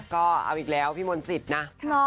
ก็เอาอีกแล้วพี่มนต์สิทธิ์นะ